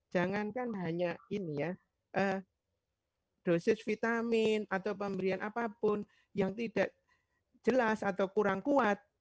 jangankan hanya ini ya dosis vitamin atau pemberian apapun yang tidak jelas atau kurang kuat